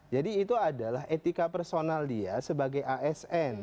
jadi itu adalah etika personal dia sebagai asn